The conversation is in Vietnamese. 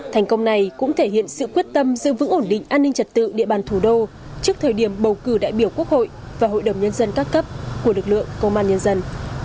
thành công này cũng thể hiện sự quyết tâm giữ vững ổn định an ninh trật tự địa bàn thủ đô trước thời điểm bầu cử đại biểu quốc hội và hội đồng nhân dân các cấp của lực lượng công an nhân dân